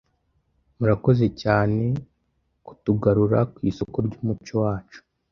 Murakoze cyane kutugarura ku isoko ry’umuco wacu